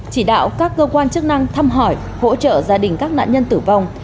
chỉ đạo các cơ quan chức năng thăm hỏi hỗ trợ gia đình các nạn nhân tử vong